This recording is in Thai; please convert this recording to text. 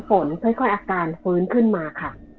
ฝนค่อยอาการฟื้นขึ้นมาค่ะ